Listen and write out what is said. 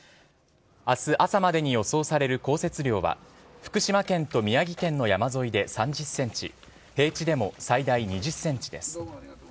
明日朝までに予想される降雪量は福島県と宮城県の山沿いで３０ｃｍ平地でも最大２０ｃｍです。